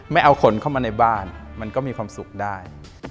ไม่เอาคนเข้ามาในบ้านมันก็มีความสุขได้